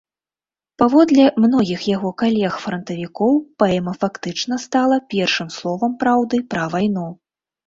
Паводле многіх яго калег-франтавікоў, паэма фактычна, стала першым словам праўды пра вайну.